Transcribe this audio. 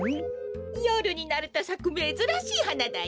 よるになるとさくめずらしいはなだよ。